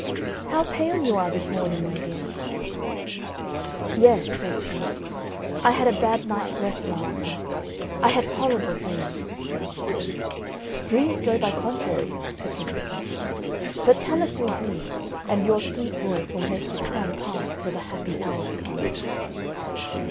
"How pale you are this morning, my dear." "Yes," said she, "I had a bad night's rest last night. I had horrible dreams." "Dreams go by contraries," said Mr. Fox; "but tell us your dream, and your sweet voice will make the time pass till the happy hour comes."